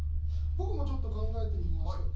僕もちょっと考えてみました。